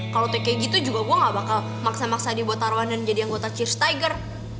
kalau teg kayak gitu juga gue gak bakal maksa maksa dibuat arwan dan jadi anggota cheers tiger